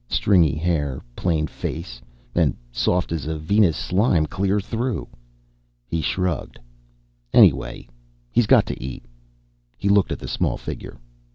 Stringy hair ... plain face ... and soft as Venus slime clear through! He shrugged. "Anyway, he's got to eat." He looked at the small figure.